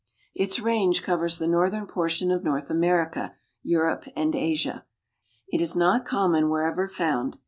Its range covers the northern portion of North America, Europe and Asia. "It is not common wherever found.